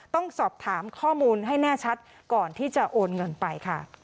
ต้องสอบถามข้อมูลให้แน่ชัดก่อนที่จะโอนเงินไปค่ะ